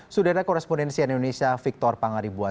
sudah ada korespondensi dari indonesia victor pangaribuan